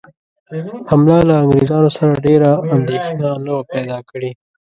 حمله له انګرېزانو سره ډېره اندېښنه نه وه پیدا کړې.